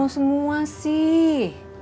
kuno semua sih